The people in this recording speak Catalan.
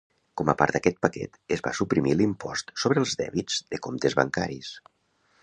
Com a part d'aquest paquet es va suprimir l'impost sobre els dèbits de comptes bancaris.